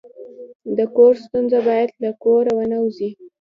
د کور ستونزه باید له کوره ونه وځي.